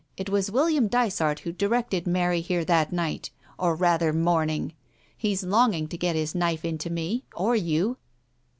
It was William Dysart who directed Mary here that night, or rather morning. He's longing to get his knife into me — or you."